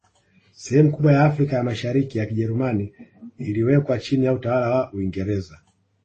Sehemu kubwa ya Afrika ya Mashariki ya Kijerumani iliwekwa chini ya utawala wa Uingereza